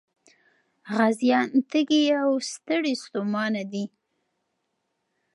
غازيان تږي او ستړي ستومانه دي.